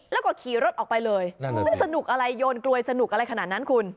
แล้วก็ขี่รถออกไปเลยมันสนุกอะไรโยนกลวยสนุกอะไรขนาดนั้นคุณ